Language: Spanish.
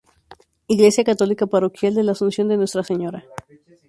Iglesia católica parroquial de la Asunción de Nuestra Señora.